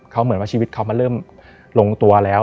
เขาเหมือนว่าชีวิตเขามันเริ่มลงตัวแล้ว